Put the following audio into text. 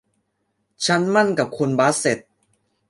ฉันหมั้นกับคุณบาสเส็ต